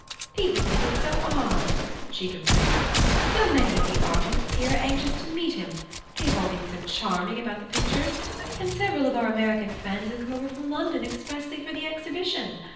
"People think it's so odd," she complained. "So many of the artists here are anxious to meet him; they've all been so charming about the pictures; and several of our American friends have come over from London expressly for the exhibition.